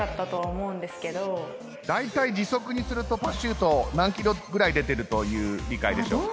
だいたい時速にするとパシュート何キロぐらい出てるという理解でしょう？